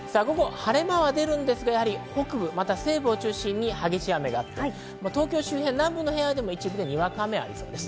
晴れ間は出ますが北部また西部を中心に激しい雨が降って、東京周辺などでは一部でにわか雨がありそうです。